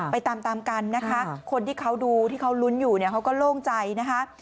ไปตามตามกันนะคะคนที่เขาดูที่เขาลุ้นอยู่เนี่ยเขาก็โล่งใจนะคะ